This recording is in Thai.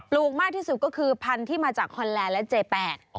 ลูกมากที่สุดก็คือพันธุ์ที่มาจากฮอนแลนด์และเจแปด